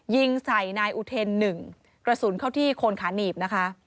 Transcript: ยิงใส่นายอุเทนหนึ่งกระสุนเข้าที่โคนขาหนีบนะคะ